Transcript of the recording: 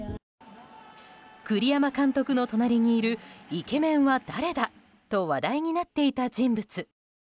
栗山監督の隣にいるイケメンは誰だと話題になっていた人物。